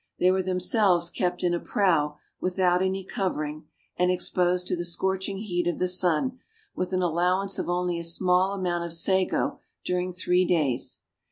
They were themselves kept in a prow, without any covering, and exposed to the scorching heat of the sun, with an allowance of only a small quantity of sago during three days.